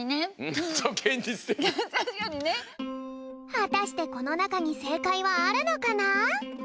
はたしてこのなかにせいかいはあるのかな？